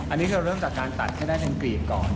อันนี้คือเริ่มจากการตัดให้ได้เป็นกรีบก่อน